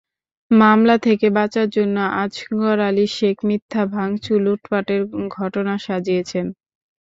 মামলা থেকে বাঁচার জন্য আজগর আলী শেখ মিথ্যা ভাঙচুর, লুটপাটের ঘটনা সাজিয়েছেন।